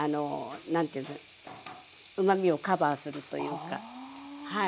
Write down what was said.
うまみをカバーするというかはい。